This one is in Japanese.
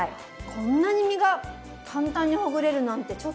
こんなに身が簡単にほぐれるなんてちょっとうわ。